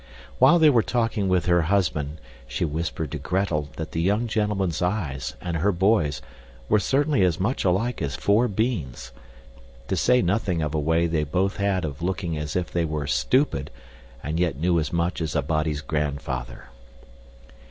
While they were talking with her husband she whispered to Gretel that the young gentleman's eyes and her boy's were certainly as much alike as four beans, to say nothing of a way they both had of looking as if they were stupid and yet knew as much as a body's grandfather.